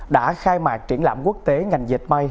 đã khai mạc triển lãm quốc tế ngành dệt may